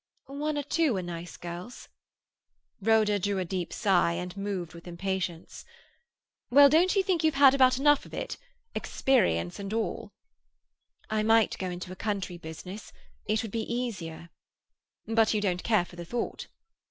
"One or two are nice quiet girls." Rhoda drew a deep sigh, and moved with impatience. "Well, don't you think you've had about enough of it—experience and all?" "I might go into a country business: it would be easier." "But you don't care for the thought?"